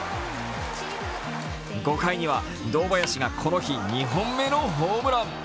５回には堂林がこの日２本目のホームラン。